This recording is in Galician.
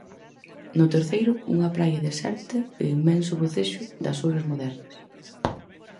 "no terceiro, unha praia deserta e o inmenso bocexo das horas modernas"."